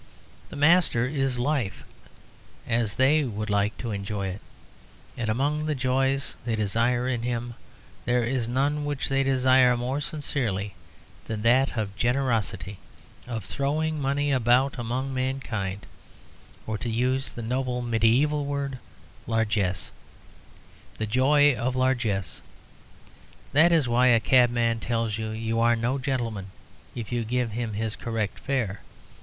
The master is Life, as they would like to enjoy it; and among the joys they desire in him there is none which they desire more sincerely than that of generosity, of throwing money about among mankind, or, to use the noble mediæval word, largesse the joy of largeness. That is why a cabman tells you are no gentleman if you give him his correct fare.